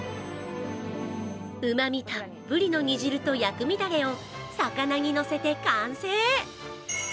うまみたっぷりの煮汁と薬味だれを魚にのせて完成。